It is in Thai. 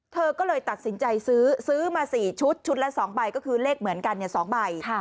เธอก็เลยตัดสินใจซื้อซื้อมา๔ชุดชุดละ๒ใบก็คือเลขเหมือนกัน๒ใบ